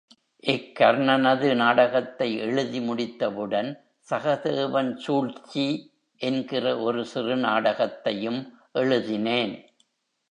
இக் கர்ணனது நாடகத்தை எழுதி முடித்தவுடன், சகதேவன் சூழ்ச்சி என்கிற ஒரு சிறு நாடகத்தையும் எழுதினேன்.